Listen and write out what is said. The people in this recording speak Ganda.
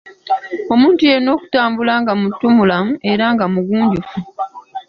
Omuntu yenna okutambula nga muntumulamu era nga mugunjufu.